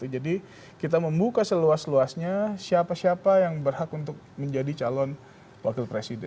jadi kita membuka seluas luasnya siapa siapa yang berhak untuk menjadi calon wakil presiden